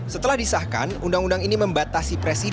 setelah disahkan undang undang ini membatasi presiden